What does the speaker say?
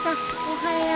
おはよう。